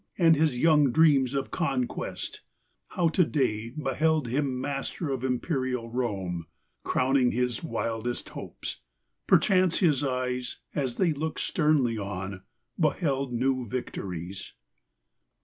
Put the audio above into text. And his young dreams of conquest ; how to day Beheld him master of Imperial Rome, Crowning his wildest hopes : perchance his eyes As they looked sternly on, beheld new victories, XXX.